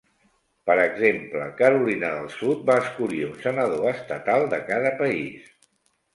Per exemple, Carolina del Sud va escollir un senador estatal de cada país.